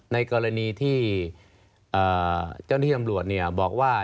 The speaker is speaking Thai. ในกรณีที่เจ้าหน้าที่อำรวจบอกว่า